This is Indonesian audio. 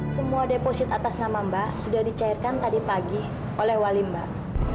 semua deposit atas nama mbak sudah dicairkan tadi pagi oleh walimba